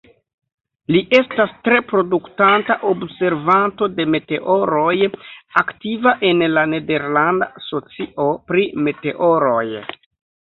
Li estas tre produktanta observanto de meteoroj, aktiva en la Nederlanda Socio pri Meteoroj.